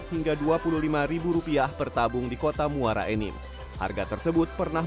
dua puluh hingga dua puluh lima rupiah bertabung di kota muara enim harga tersebut pernah